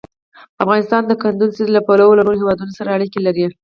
افغانستان د کندز سیند له پلوه له نورو هېوادونو سره اړیکې لري.